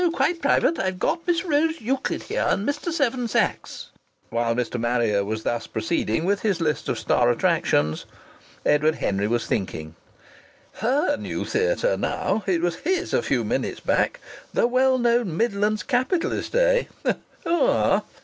Quite private. I've got Miss Rose Euclid here, and Mr. Seven Sachs" while Mr. Marrier was thus proceeding with his list of star attractions, Edward Henry was thinking: "'Her new theatre' now! It was 'his' a few minutes back!... 'The well known Midlands capitalist,' eh? Oh! Ah!")